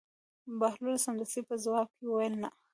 بهلول سمدستي په ځواب کې وویل: نه.